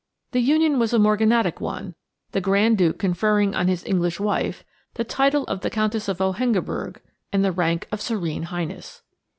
The union was a morganatic one, the Grand Duke conferring on his English wife the title of the Countess of Hohengebirg and the rank of Serene Highness.